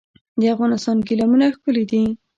د افغانستان ګلیمونه ښکلي دي